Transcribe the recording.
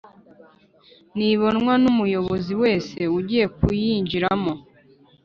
ribonwa n'umuyobozi wese ugiye kuyinjiramo.